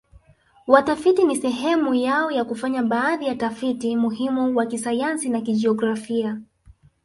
watafiti ni sehemu yao ya kufanya baadhi ya tafiti muhimu wa kisayansi na kijografia